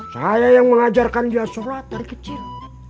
saya yang mengajarkan dia sholat dari kecil